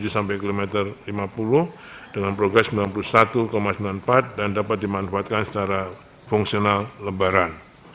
tujuh sampai kilometer lima puluh dengan progres sembilan puluh satu sembilan puluh empat dan dapat dimanfaatkan secara fungsional lebaran